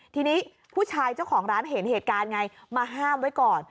ทีนี้ผู้ชายเจ้าของร้านเห็นเหตุการณ์ไงมาห้ามไว้ก่อน